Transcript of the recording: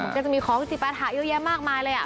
ก็จะมีของ๑๐บาทหาเยอะแยะมากมายเลยอ่ะ